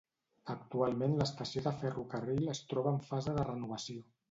Actualment l'estació de ferrocarril es troba en fase de renovació.